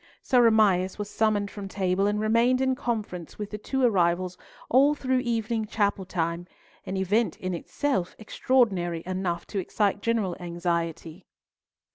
Sir Amias was summoned from table, and remained in conference with the two arrivals all through evening chapel time—an event in itself extraordinary enough to excite general anxiety.